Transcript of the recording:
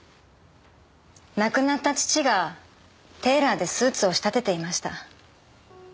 亡くなった父がテーラーでスーツを仕立てていました。